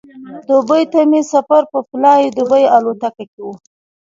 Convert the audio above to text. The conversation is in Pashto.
دوبۍ ته مې سفر په فلای دوبۍ الوتکه کې و.